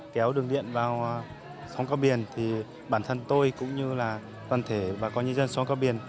kéo đường điện vào xóm cao biển thì bản thân tôi cũng như là toàn thể bà con nhân dân xóm cao biển